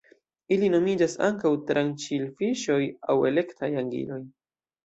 Ili nomiĝas ankaŭ tranĉilfiŝoj aŭ elektraj angiloj.